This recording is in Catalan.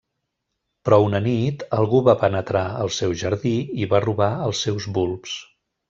Però una nit algú va penetrar al seu jardí i va robar els seus bulbs.